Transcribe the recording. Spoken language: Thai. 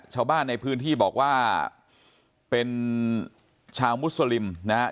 ชาวบ้านในพื้นที่บอกว่าเป็นชาวมุสลิมนะครับ